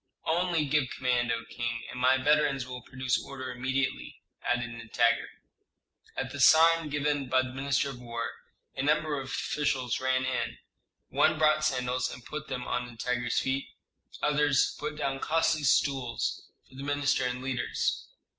"Only give command, O king, and my veterans will produce order immediately," added Nitager. At a sign given by the minister of war, a number of officials ran in: one brought sandals and put them on Nitager's feet; others put down costly stools for the minister and leaders.